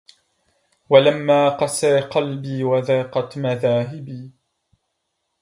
ولما قسا قلبي وضاقت مذاهبي